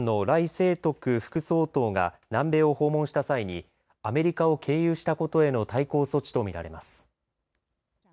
清徳副総統が南米を訪問した際にアメリカを経由したことへの対抗措置とみられます。